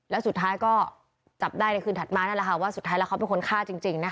แล้วสุดท้ายก็จับได้ในคืนถัดมานั่นแหละค่ะว่าสุดท้ายแล้วเขาเป็นคนฆ่าจริงนะคะ